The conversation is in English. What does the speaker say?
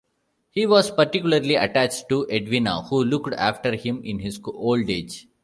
He was particularly attached to Edwina, who looked after him in his old age.